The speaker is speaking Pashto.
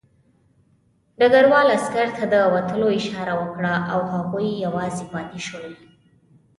ډګروال عسکر ته د وتلو اشاره وکړه او هغوی یوازې پاتې شول